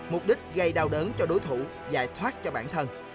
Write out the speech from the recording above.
mục đích gây đau đớn cho đối thủ giải thoát cho bản thân